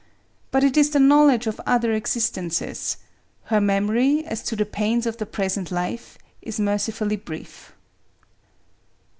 But it is the knowledge of other existences. Her memory, as to the pains of the present life, is merci fully brief.